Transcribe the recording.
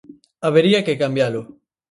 Habería que cambialo.